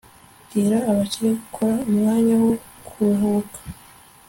bwira abakire gukora umwanya wo kuruhuka